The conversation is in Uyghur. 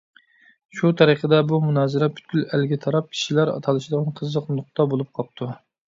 شۇ تەرىقىدە بۇ مۇنازىرە پۈتكۈل ئەلگە تاراپ كىشىلەر تالىشىدىغان قىزىق نۇقتا بولۇپ قاپتۇ.